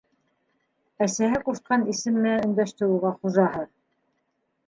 Әсәһе ҡушҡан исем менән өндәште уға хужаһы!